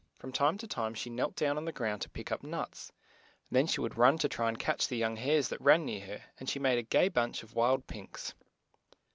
from time to time she knelt down on the ground to pick up nuts ; then she would run to try to catch the young hares that ran near her, and she made a gay bunch of wild pinks.